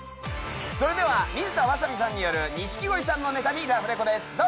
それでは水田わさびさんによる錦鯉さんのネタにラフレコです。